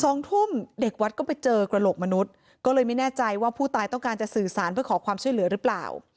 สองทุ่มเด็กวัดก็ไปเจอกระโหลกมนุษย์ก็เลยไม่แน่ใจว่าผู้ตายต้องการจะสื่อสารเพื่อขอความช่วยเหลือหรือเปล่า